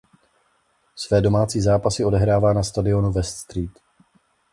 Své domácí zápasy odehrává na stadionu West Street.